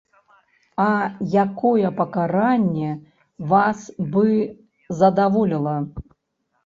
А якое пакаранне вас бы задаволіла?